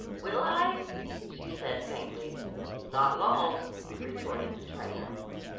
"Will I?" she said faintly. "Not long," retorted the trainer.